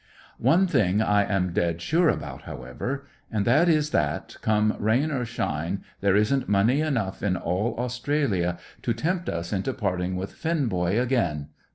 "One thing I am dead sure about, however, and that is that, come rain or shine, there isn't money enough in all Australia to tempt us into parting with Finn boy again.